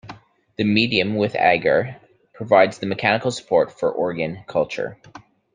The medium with agar provides the mechanical support for organ culture.